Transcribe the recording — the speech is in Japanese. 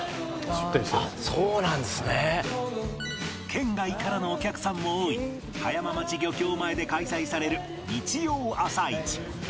県外からのお客さんも多い葉山町漁協前で開催される日曜朝市